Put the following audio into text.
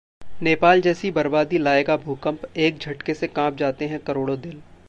नेपाल जैसी बर्बादी लाएगा भूकंप...एक झटके से कांप जाते हैं करोड़ों दिल